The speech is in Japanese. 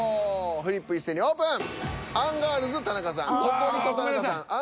フリップ一斉にオープン！